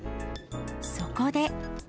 そこで。